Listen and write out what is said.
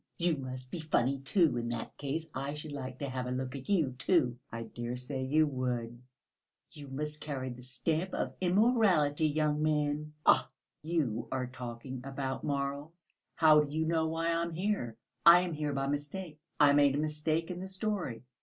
You must be funny, too, in that case. I should like to have a look at you too." "I dare say you would!" "You must carry the stamp of immorality, young man." "Ah! you are talking about morals, how do you know why I'm here? I am here by mistake, I made a mistake in the storey.